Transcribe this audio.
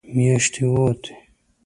مياشتې ووتې.